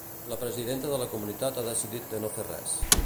La presidenta de la comunitat ha decidit de no fer res.